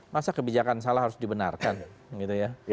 masa kebijakan salah harus dibenarkan gitu ya